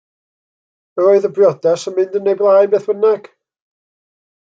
Yr oedd y briodas yn mynd yn ei blaen beth bynnag.